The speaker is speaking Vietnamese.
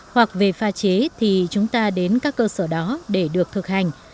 hoặc về pha chế thì chúng ta đến các cơ sở đó để được thực hành